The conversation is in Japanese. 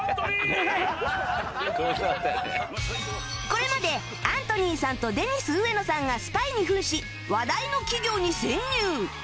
これまでアントニーさんとデニス植野さんがスパイに扮し話題の企業に潜入